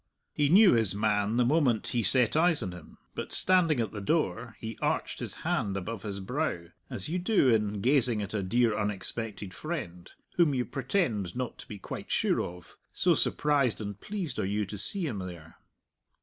He knew his man the moment he set eyes on him, but, standing at the door, he arched his hand above his brow, as you do in gazing at a dear unexpected friend, whom you pretend not to be quite sure of, so surprised and pleased are you to see him there.